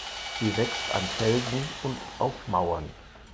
Sie wächst an Felsen und auf Mauern.